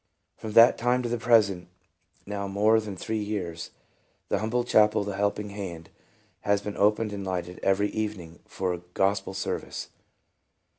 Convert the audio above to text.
From that time to the present, now more than three years, the humble chapel of the Helping Hand has been opened and lighted every evening for a gospel service.